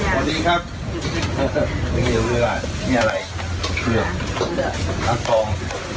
สวัสดีครับนี่อะไรนักศรอง